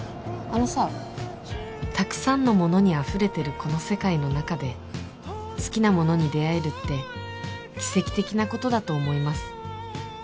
あのさたくさんのものにあふれてるこの世界の中で好きなものに出会えるって奇跡的なことだと思います